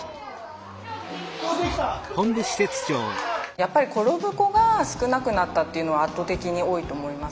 やっぱり転ぶ子が少なくなったというのは圧倒的に多いと思います。